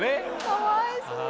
かわいそう。